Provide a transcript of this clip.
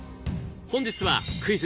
本日は『クイズ！